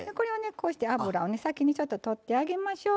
こうして脂を先にとってあげましょう。